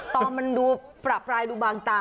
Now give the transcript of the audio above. ตอมมันดูปลากปลายดูบางตา